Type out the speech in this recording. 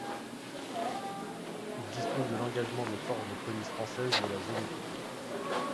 Il dispose de l’engagement des forces de police françaises de la zone occupée.